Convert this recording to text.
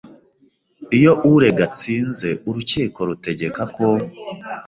Iyo urega atsinze urukiko rutegeka ko